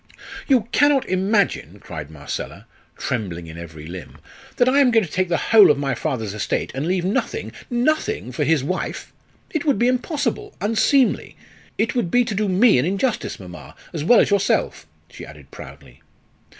"You cannot imagine," cried Marcella, trembling in every limb, "that I am going to take the whole of my father's estate, and leave nothing nothing for his wife. It would be impossible unseemly. It would be to do me an injustice, mamma, as well as yourself," she added proudly.